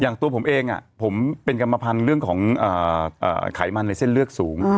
ตัวผมเองผมเป็นกรรมพันธุ์เรื่องของไขมันในเส้นเลือดสูง